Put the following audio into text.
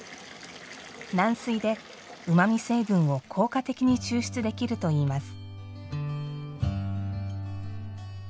軟水で、うまみ成分を効果的に抽出できるといいます。